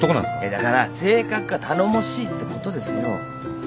いやだから性格が頼もしいってことですよ。